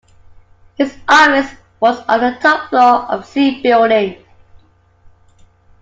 His office was on the top floor of C building.